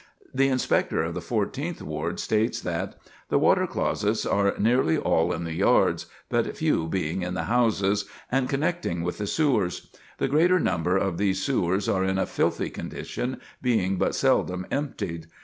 The Inspector of the Fourteenth Ward states that: "The water closets are nearly all in the yards but few being in the houses and connecting with the sewers. The greater number of these sewers are in a filthy condition, being but seldom emptied.